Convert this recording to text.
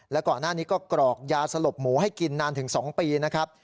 และก่อนหน้านี้ก็กรอกยาสลบหมูให้กินนานถึง๒ปีนะครับ